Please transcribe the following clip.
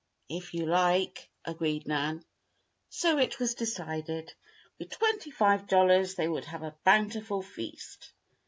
"If you like," agreed Nan. So it was decided. With twenty five dollars they could have a bountiful feast.